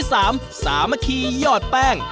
ในด้านที่๓สามาคียอดแป้ง